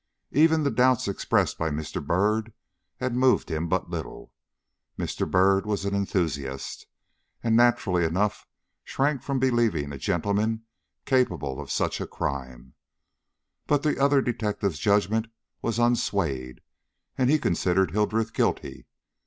Even the doubts expressed by Mr. Byrd had moved him but little. Mr. Byrd was an enthusiast, and, naturally enough, shrank from believing a gentleman capable of such a crime. But the other detective's judgment was unswayed, and he considered Hildreth guilty.